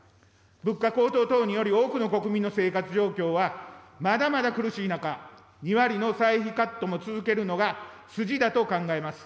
物価高騰等により、多くの国民の生活状況はまだまだ苦しい中、２割の歳費カットも続けるのが筋だと考えます。